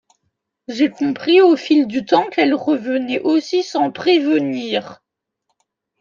J’ai compris au fil du temps qu’elles revenaient aussi sans prévenir.